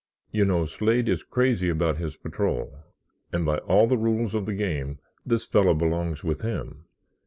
You know, Slade is crazy about his patrol and by all the rules of the game this fellow belongs with him.